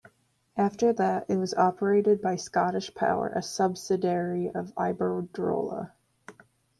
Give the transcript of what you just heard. After that it was operated by Scottish Power, a subsidiary of Iberdrola.